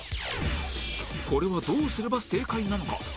これはどうすれば正解なのか？